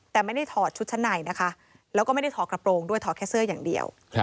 แต่ไม่ได้ถอดชุดชั้นในนะคะแล้วก็ไม่ได้ถอดกระโปรงด้วยถอดแค่เสื้ออย่างเดียว